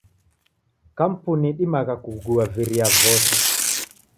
Kampuni idimagha kugua viria vose.